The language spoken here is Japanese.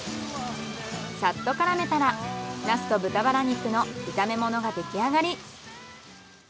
さっと絡めたらナスと豚バラ肉の炒め物ができあがり。